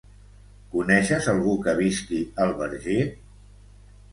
Coneixes algú que visqui al Verger?